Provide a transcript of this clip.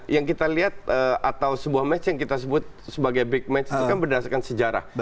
yang kita lihat atau sebuah match yang kita sebut sebagai big match itu kan berdasarkan sejarah